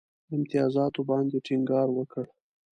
امتیازاتو باندي ټینګار وکړ.